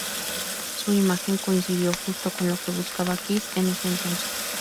Su imagen coincidió justo con lo que buscaba Kiss en ese entonces.